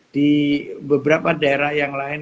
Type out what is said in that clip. di beberapa daerah yang lain